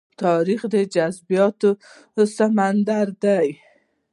تاریخ د جذباتو سمندر دی.